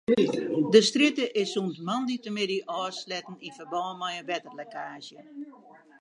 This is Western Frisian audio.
De strjitte is sûnt moandeitemiddei ôfsletten yn ferbân mei in wetterlekkaazje.